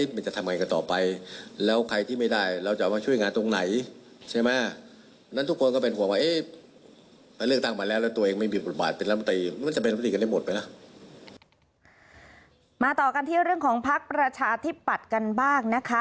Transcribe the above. มาต่อกันต่อกันที่เรื่องของพักประชาธิปัตย์กันบ้างนะคะ